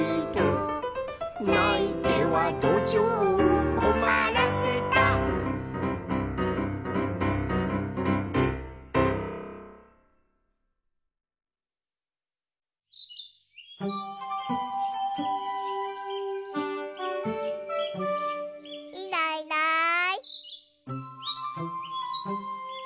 「ないてはどじょうをこまらせた」いないいない。